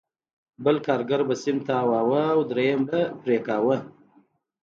بل کارګر به سیم تاواوه او درېیم به پرې کاوه